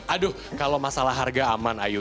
aduh kalau masalah harga aman ayu